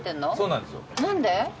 何で？